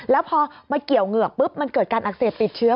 แล้วพอมาเกี่ยวเหงือกปุ๊บมันเกิดการอักเสบติดเชื้อ